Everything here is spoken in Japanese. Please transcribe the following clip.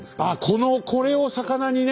このこれをさかなにね。